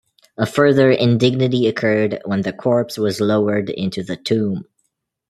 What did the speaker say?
A further indignity occurred when the corpse was lowered into the tomb.